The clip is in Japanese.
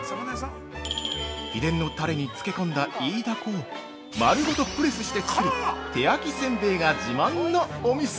◆秘伝のタレに漬け込んだイイダコを丸ごとプレスして作る手焼きせんべいが自慢のお店。